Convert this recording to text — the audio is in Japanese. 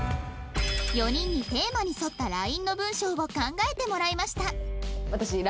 ４人にテーマに沿った ＬＩＮＥ の文章を考えてもらいました